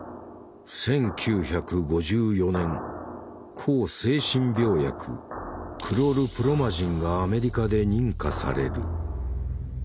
抗精神病薬クロルプロマジンがアメリカで認可される。